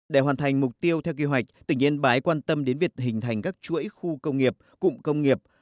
để hoàn thành mục tiêu theo kế hoạch tỉnh yên bái quan tâm đến việc hình thành các chuỗi khu công nghiệp cụm công nghiệp